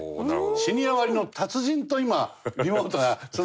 シニア割の達人と今リモートが繋がってますんで。